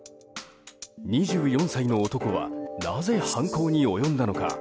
２４歳の男はなぜ犯行に及んだのか。